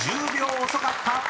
１０秒遅かった！］